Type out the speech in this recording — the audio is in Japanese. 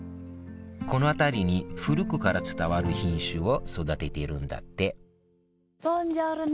この辺りに古くから伝わる品種を育てているんだってボンジョルノ。